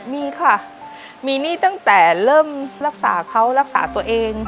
มีค่ะมีหนี้ตั้งแต่เริ่มรักษาเขารักษาตัวเอง